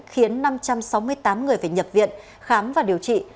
khiến năm trăm sáu mươi tám người phải nhập viện khám và điều trị